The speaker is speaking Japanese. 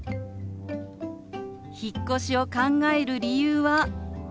引っ越しを考える理由は皆さん